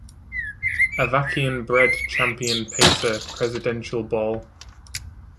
Avakian bred champion pacer Presidential Ball.